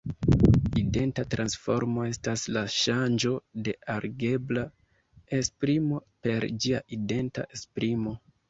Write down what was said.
Identa transformo estas la ŝanĝo de algebra esprimo per ĝia identa esprimo.